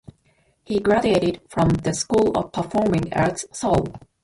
He graduated from the School of Performing Arts Seoul.